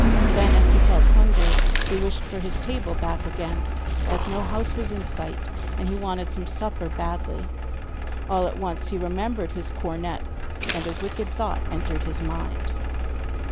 Then, as he felt hungry, he wished for his table back again, as no house was in sight, and he wanted some supper badly. All at once he remembered his cornet, and a wicked thought entered his mind.